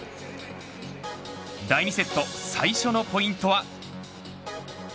第２セット最初のポイントは。